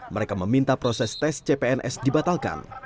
mereka meminta proses tes cpns dibatalkan